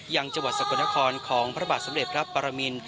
ยังจังหวัดสกลนครของพระบาทสำเร็จพระปรมิน